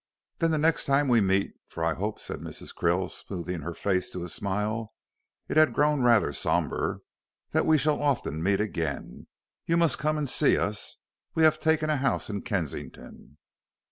"Then the next time we meet. For I hope," said Mrs. Krill, smoothing her face to a smile it had grown rather sombre "that we shall often meet again. You must come and see us. We have taken a house in Kensington."